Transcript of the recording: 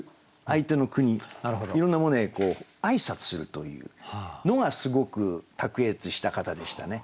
相手の国いろんなものへ挨拶するというのがすごく卓越した方でしたね。